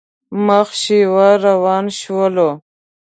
مخ شېوه روان شولو.